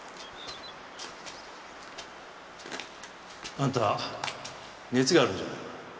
あんた熱があるんじゃないのか？